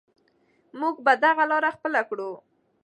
موږ به دغه لاره خپله کړو.